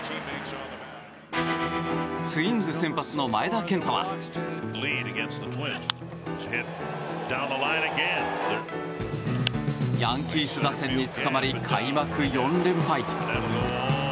ツインズ先発の前田健太はヤンキース打線につかまり開幕４連敗。